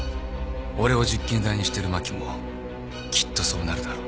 俺を実験台にしてる真木もきっとそうなるだろう。